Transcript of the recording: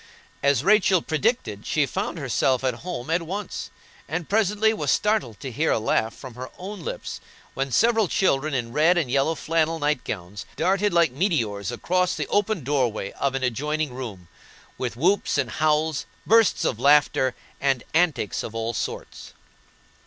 As Rachel predicted, she found herself, at home at once, and presently was startled to hear a laugh from her own lips when several children in red and yellow flannel night gowns darted like meteors across the open doorway of an adjoining room, with whoops and howls, bursts of laughter, and antics of all sorts.